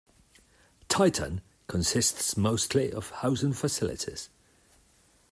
Titan consists mostly of housing facilities.